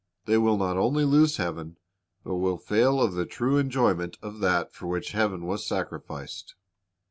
They will not only lose heaven, but will fail of the true enjoy ment of that for which heaven was sacrificed.